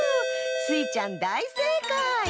スイちゃんだいせいかい！